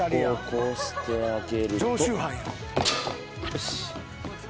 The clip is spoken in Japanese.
よし。